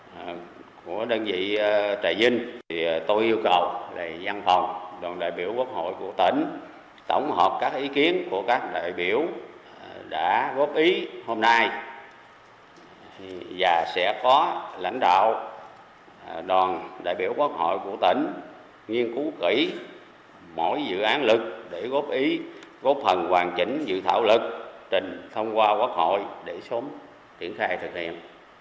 đoàn đại biểu quốc hội của đơn vị trà vinh tôi yêu cầu dân phòng đoàn đại biểu quốc hội của tỉnh tổng hợp các ý kiến của các đại biểu đã góp ý hôm nay và sẽ có lãnh đạo đoàn đại biểu quốc hội của tỉnh nghiên cứu kỹ mỗi dự án luật để góp ý góp phần hoàn chỉnh dự thảo luật trình thông qua quốc hội để sớm triển khai thực hiện